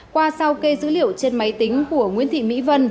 qua sau kê dữ liệu trên máy tính của nguyễn thị mỹ vân